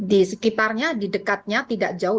di sekitarnya di dekatnya tidak jauh